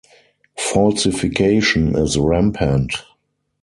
Falsification is rampant.